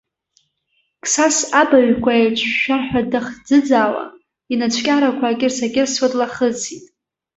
Қсас, абаҩқәа еиҿшәшәар ҳәа дахӡыӡаауа, инацәкьарақәа акьырс-акьырсуа длахысит.